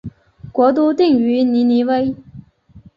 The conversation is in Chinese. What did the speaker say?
国都定于尼尼微。